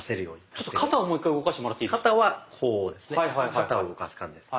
肩を動かす感じです。